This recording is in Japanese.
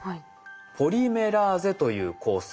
ポリメラーゼという酵素。